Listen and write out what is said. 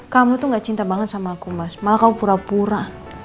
kamu tuh gak cinta banget sama aku mas malah kamu pura pura